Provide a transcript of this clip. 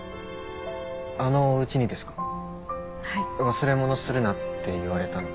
「忘れ物するな」って言われたのに。